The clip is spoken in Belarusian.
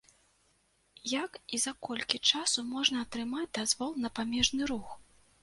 Як і за колькі часу можна атрымаць дазвол на памежны рух?